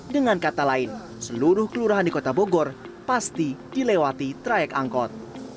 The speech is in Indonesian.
dengan kata lain seluruh kelurahan di kota bogor pasti dilewati trayek angkot